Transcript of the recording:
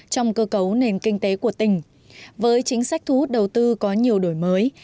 trong cơ cấu nền kinh tế của tỉnh với chính sách thu hút đầu tư có nhiều đổi mới